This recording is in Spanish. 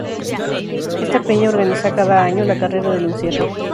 Este peña organiza cada año la Carrera del encierro.